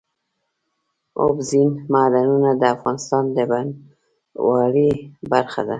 اوبزین معدنونه د افغانستان د بڼوالۍ برخه ده.